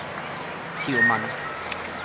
潮文